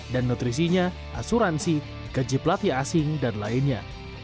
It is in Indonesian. dan nutrisinya asuransi gaji pelatih asing dan lainnya